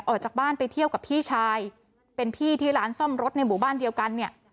ออกจากบ้านไปเที่ยวกับพี่ชายเป็นพี่ที่ร้านซ่อมรถในหมู่บ้านเดียวกันเนี่ย